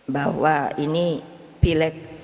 bahwa ini pilih pilpres sudah dinyatakan